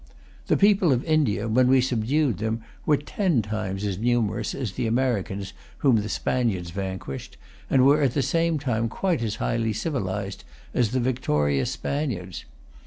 The people of India, when we subdued them, were ten times as numerous as the Americans whom the Spaniards vanquished, and were at the same time quite as highly civilised as the victorious Spaniards.